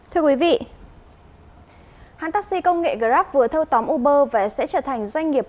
thưa quý vị hãng taxi công nghệ grab vừa thâu tóm uber và sẽ trở thành doanh nghiệp